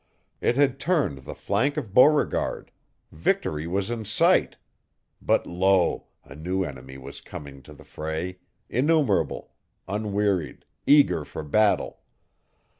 It had turned the flank of Beauregard; victory was in sight. But lo! a new enemy was coming to the fray, innumerable, unwearied, eager for battle.